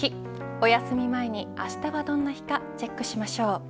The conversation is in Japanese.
おやすみ前に明日はどんな日かチェックしましょう。